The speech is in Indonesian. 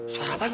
suara apaan tuh